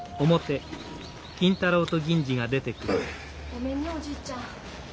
ごめんねおじいちゃん。